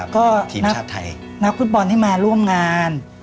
ก็นับฟุตบอลที่มาร่วมงาน